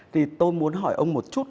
thì tôi muốn hỏi ông một chút